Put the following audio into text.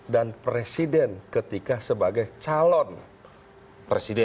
presiden ketika sebagai calon presiden